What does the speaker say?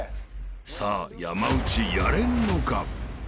［さあ山内やれんのか？］